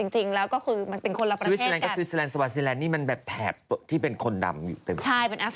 จริงแล้วก็คือเป็นคนละประเทศกัน